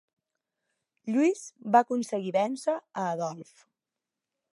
Lluís va aconseguir vèncer a Adolf.